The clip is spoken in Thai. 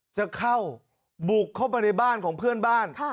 จะเข้าบุกเข้าไปในบ้านของเพื่อนบ้าน